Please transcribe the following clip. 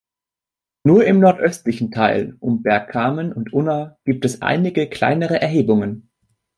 Nur im nordöstlichen Teil, um Bergkamen und Unna gibt es einige kleinere Erhebungen.